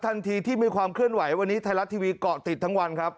ทันทีที่มีความเคลื่อนไหววันนี้ไทยรัฐทีวีเกาะติดทั้งวันครับ